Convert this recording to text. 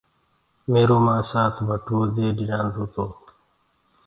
ميرو مآسآ ڀٽوئو دي ڏريآندو تو۔